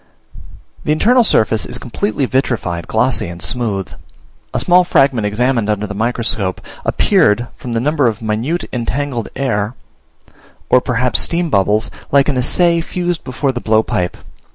The internal surface is completely vitrified, glossy, and smooth. A small fragment examined under the microscope appeared, from the number of minute entangled air or perhaps steam bubbles, like an assay fused before the blowpipe.